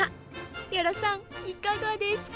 屋良さん、いかがですか。